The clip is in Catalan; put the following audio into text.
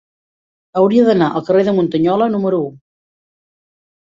Hauria d'anar al carrer de Muntanyola número u.